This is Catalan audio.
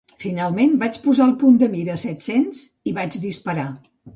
Finalment, vaig posar el punt de mira a set-cents i vaig disparar